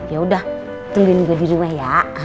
ya udah tungguin juga di rumah ya